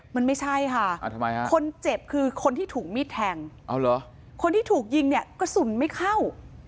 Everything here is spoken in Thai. มันไม่ใช่ค่ะคนเจ็บคือคนที่ถูกมีดแทงคนที่ถูกยิงเนี่ยกระสุนไม่เข้า